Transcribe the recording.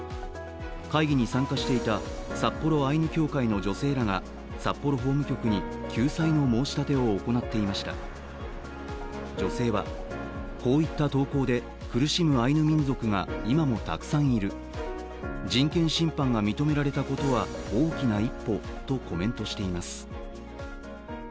会議に参加していた札幌アイヌ協会の女性らが札幌法務局に救済の申し立てを行っていました女性はこういった投稿で苦しむアイヌ民族が今もたくさんいる、人権侵犯が認められたことは大きな一歩とコメントしています。